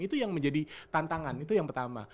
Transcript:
itu yang menjadi tantangan itu yang pertama